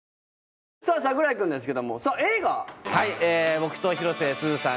僕と広瀬すずさん